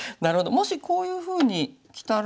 もしこういうふうにきたら。